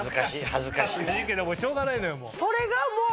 恥ずかしいけどもしょうがないのよもう。